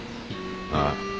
ああ。